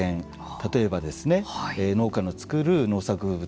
例えば、農家の作る農作物